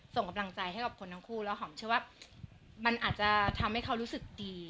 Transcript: ส่งกำลังใจให้กับคนทั้งคู่แล้วหอมเชื่อว่ามันอาจจะทำให้เขารู้สึกดี